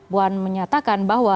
puan menyatakan bahwa